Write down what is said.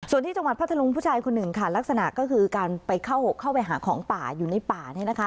ส่วนที่จังหวัดพัทธรุงผู้ชายคนหนึ่งค่ะลักษณะก็คือการไปเข้าไปหาของป่าอยู่ในป่าเนี่ยนะคะ